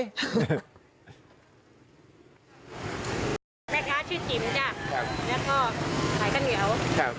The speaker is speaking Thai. นะคะชื่อจิ๋มจ้ะจ้ะแล้วก็ไข่ก้าเหนียวจ้ะ